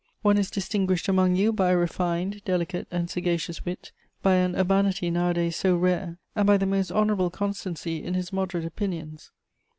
One is distinguished among you by a refined, delicate and sagacious wit, by an urbanity nowadays so rare, and by the most honourable constancy in his moderate opinions.